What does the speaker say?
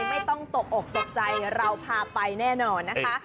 ไม่ต้องตกอกตกใจเราพาไปแน่นอนนะคะ